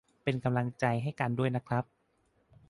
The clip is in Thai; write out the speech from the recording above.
เป็นกำลังใจให้กันด้วยนะครับ